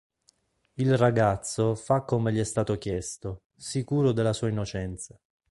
Il ragazzo fa come gli è stato chiesto, sicuro della sua innocenza.